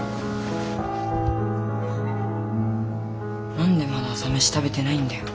何でまだ朝飯食べてないんだよ。